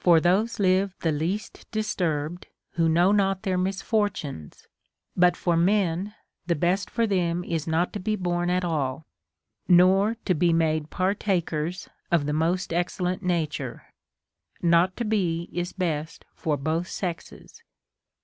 For those live the least disturbed who know not their misfortunes ; but for men, the best for them is not to be CONSOLATION TO APOLLONIUS. 327 born at all, nor to be made partakers of the most excellent nature ; not to be is best for both sexes.